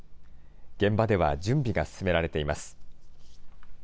現場では準備が進められています。